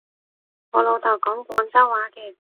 我老豆講廣州話嘅